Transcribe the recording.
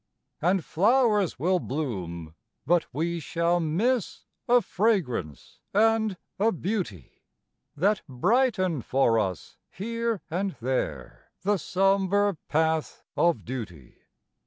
And flowers will bloom, but we shall miss A fragrance and a beauty That brightened for us here and there The sombre path of duty.